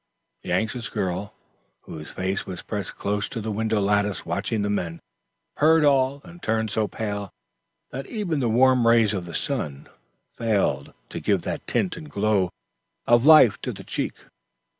The anxious girl, whose face was pressed close to the window lattice watching the men, heard all and turned so pale, that even the warm rays of the sun failed to give the tint and glow of life to the cheek.